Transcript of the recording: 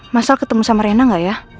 mas al ketemu sama rena ga ya